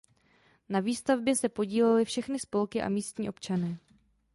Na výstavbě se podílely všechny spolky a místní občané.